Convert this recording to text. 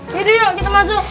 yaudah yuk kita masuk